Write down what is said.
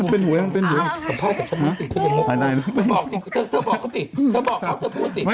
แต่คือเอาจริงอ่ะ